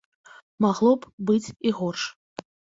Магло б быць і горш.